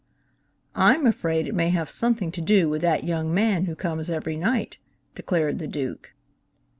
"I'm afraid it may have something to do with that young man who comes every night," declared the Duke.